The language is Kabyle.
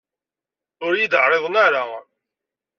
Ur iyi-d-ɛriḍen ara.